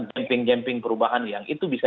jemping jemping perubahan yang itu bisa